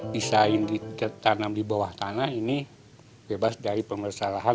desain tanam di bawah tanah ini bebas dari pemersalahan